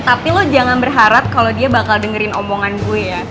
tapi lo jangan berharap kalau dia bakal dengerin omongan gue ya